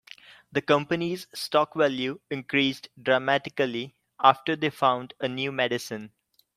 The company's stock value increased dramatically after they found a new medicine.